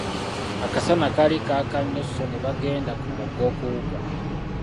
Akasana kaali kaaka nnyo sso ne bagenda ku mugga okuwuga.